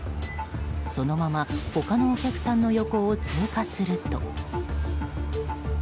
そのまま他のお客さんの横を通過すると。